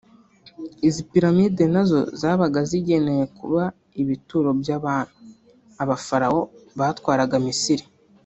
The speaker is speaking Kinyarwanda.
Izi piramide nazo zabaga zigenewe kuba ibituro by’abami (abafarawo) batwaraga Misiri